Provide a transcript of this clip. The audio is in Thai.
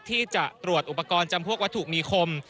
ที่จะตรวจอุปกรณ์จำพวกวัตถุมีคม